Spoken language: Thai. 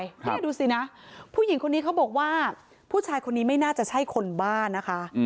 นี่ดูสินะผู้หญิงคนนี้เขาบอกว่าผู้ชายคนนี้ไม่น่าจะใช่คนบ้านนะคะ